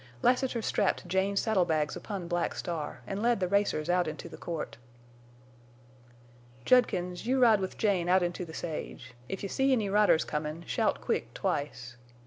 Lassiter strapped Jane's saddle bags upon Black Star, and led the racers out into the court. "Judkins, you ride with Jane out into the sage. If you see any riders comin' shout quick twice.